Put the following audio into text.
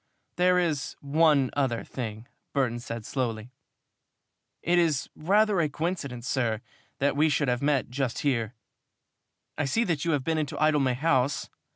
"There is one other thing," Burton said slowly. "It is rather a coincidence, sir, that we should have met just here. I see that you have been into Idlemay House.